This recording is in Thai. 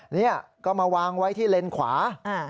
นี่ก็มาวางไว้ที่เลนขวา